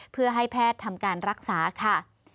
เพื่อให้แพทย์ทำการรักษาค่ะ